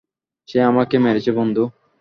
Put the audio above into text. সে আমাকে মেরেছে, বন্ধু!